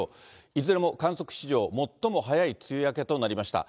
いずれも観測史上、最も早い梅雨明けとなりました。